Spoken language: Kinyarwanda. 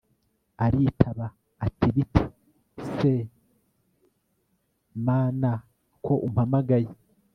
aritaba ati bite se mn ko umpamagaye